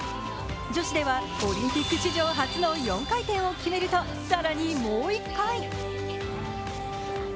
女子ではオリンピック史上初の４回転を決めると、更にもう一回。